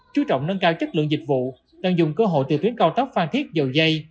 chú trọng nâng cao chất lượng dịch vụ đang dùng cơ hội từ tuyến cao tốc phan thiết dầu dây